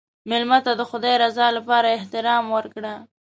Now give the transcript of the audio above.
مېلمه ته د خدای رضا لپاره احترام ورکړه.